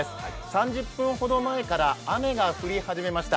３０分ほど前から雨が降り始めました。